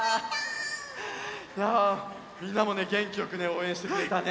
いやみんなもねげんきよくおうえんしてくれたね。